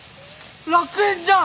楽園じゃん！